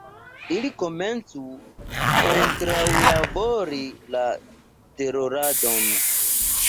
Ili komencu kontraŭlabori la teroradon.